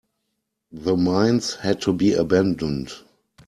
The mines had to be abandoned.